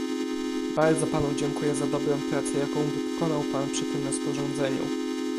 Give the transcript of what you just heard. Bardzo panu dziękuję za dobrą pracę, jaką wykonał pan przy tym rozporządzeniu